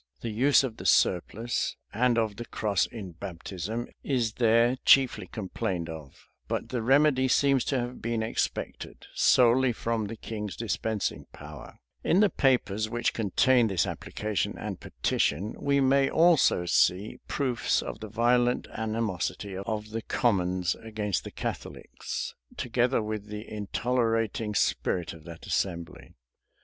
[*] The use of the surplice, and of the cross in baptism is there chiefly complained of; but the remedy seems to have been expected solely from the king's dispensing power,[] In the papers which contain this application and petition, we may also see proofs of the violent animosity of the commons against the Catholics, together with the intolerating spirit of that assembly.